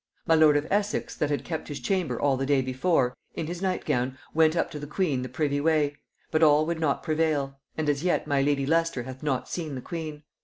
My lord of Essex that had kept his chamber all the day before, in his nightgown went up to the queen the privy way; but all would not prevail, and as yet my lady Leicester hath not seen the queen.